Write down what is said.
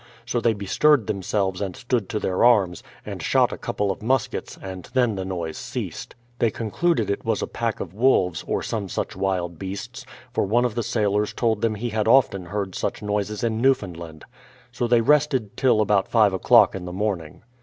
So they bestirred themselves and stood to their arms, and shot a couple of muskets and then the noise ceased. They concluded it was a pack of wolves, or some such wild beasts; for one of the sailors told them he had often heard such noises in Newfoundland. So they rested till about five o'clock in the morning.